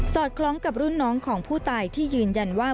อดคล้องกับรุ่นน้องของผู้ตายที่ยืนยันว่า